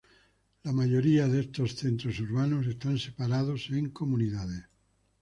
La mayoría de estos centros urbanos están separados en comunidades.